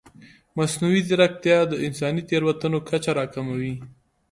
مصنوعي ځیرکتیا د انساني تېروتنو کچه راکموي.